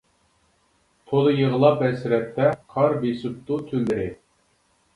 تولا يىغلاپ ھەسرەتتە، قار بېسىپتۇ تۈنلىرى.